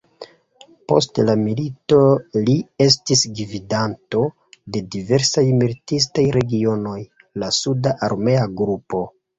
Post la milito li estis gvidanto de diversaj militistaj regionoj, la suda armea grupo.